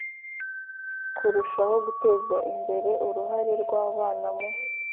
Kurushaho guteza imbere uruhare rw abana mu